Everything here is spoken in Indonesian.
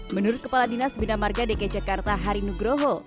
menurut kepala dinas bina marga dki jakarta hari nugroho